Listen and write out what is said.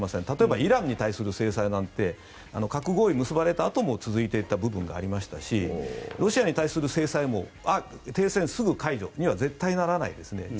例えばイランに対する制裁なんて核合意が結ばれたあとも続いていった部分もありますしロシアに対する制裁も停戦すぐ解除には絶対ならないですね。